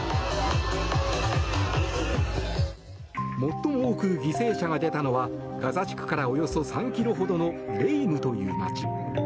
最も多く犠牲者が出たのはガザ地区からおよそ３ｋｍほどのレイムという街。